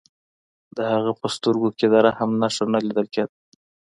د هغه په سترګو کې د رحم نښه نه لیدل کېده